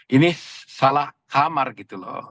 ini salah kamar gitu loh